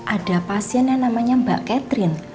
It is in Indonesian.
ada pasien yang namanya mbak catherine